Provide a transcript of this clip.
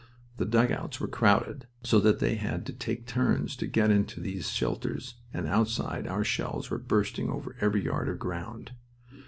The dugouts were crowded, so that they had to take turns to get into these shelters, and outside our shells were bursting over every yard of ground.